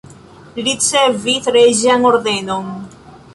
Li ricevis reĝan ordenon.